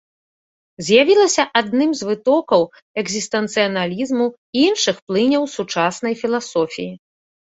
З'явілася адным з вытокаў экзістэнцыялізму і іншых плыняў сучаснай філасофіі.